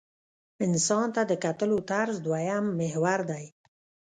انسان ته د کتلو طرز دویم محور دی.